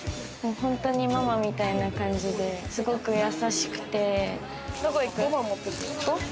ほんとにママみたいな感じですごく優しくて。